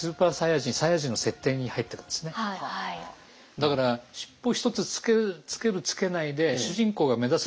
だから尻尾一つつけるつけないで主人公が目立つ